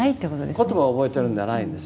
言葉を覚えてるんではないんです。